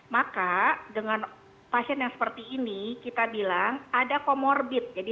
maka dengan pasien yang seperti ini kita bilang ada comorbid